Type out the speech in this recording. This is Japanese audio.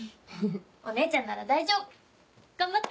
お姉ちゃんなら大丈夫！頑張って！